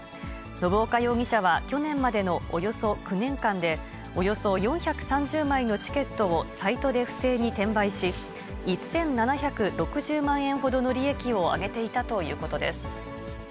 信岡容疑者は去年までのおよそ９年間で、およそ４３０枚のチケットをサイトで不正に転売し、１７６０万円ほどの利益を上げていたということです。